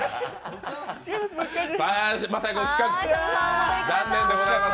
晶哉君、失格、残念でございます。